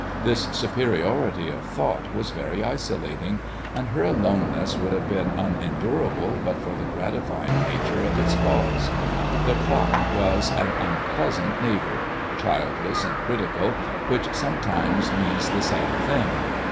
This superiority of thought was very isolating, and her aloneness would have been unendurable but for the gratifying nature of its cause. The clock was an unpleasant neighbor, childless and critical, which sometimes means the same thing.